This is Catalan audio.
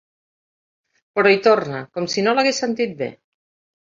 Però hi torna, com si no l'hagués sentit bé.